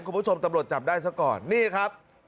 คุณผู้ชมตำรวจจับได้ซะก่อนนี่ครับ